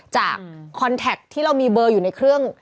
คอนแท็กที่เรามีเบอร์อยู่ในเครื่อง